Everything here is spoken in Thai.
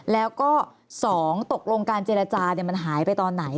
แล้วก็๒ตกลงการเจรจามันหายไปตอนไหน